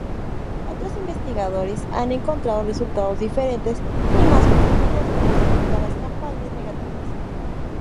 Otros investigadores han encontrado resultados diferentes y más positivos respecto a las campañas negativas.